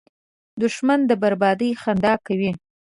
دښمن د بربادۍ خندا کوي